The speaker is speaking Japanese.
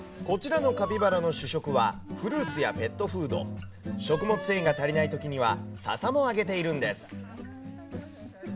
こちらのカピバラの主食は、フルーツやペットフード、食物繊維が足りないときには、ささもあげているんです。